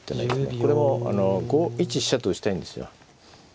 これも５一飛車と打ちたいんですよ。